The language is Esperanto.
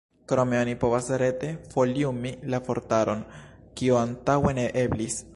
Krome oni povas rete foliumi la vortaron, kio antaŭe ne eblis.